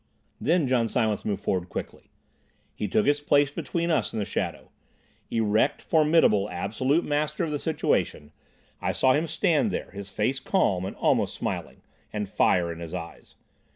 Then John Silence moved forward quickly. He took his place between us and the shadow. Erect, formidable, absolute master of the situation, I saw him stand there, his face calm and almost smiling, and fire in his eyes.